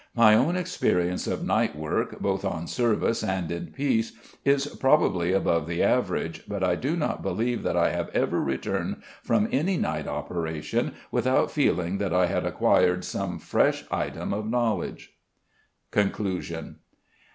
My own experience of night work, both on service and in peace, is probably above the average, but I do not believe that I have ever returned from any night operation without feeling that I had acquired some fresh item of knowledge. _Conclusion.